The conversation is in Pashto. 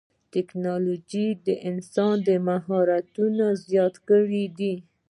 ټکنالوجي د انسان مهارتونه زیات کړي دي.